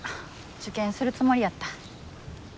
受験するつもりやった。